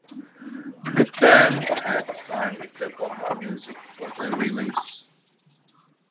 The band had signed with Goomba Music for the release.